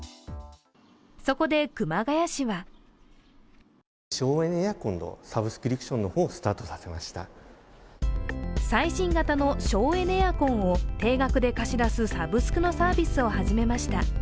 そこで、熊谷市は最新型の省エネエアコンを定額で貸し出すサブスクのサービスを始めました。